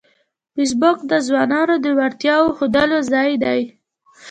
فېسبوک د ځوانانو د وړتیاوو ښودلو ځای دی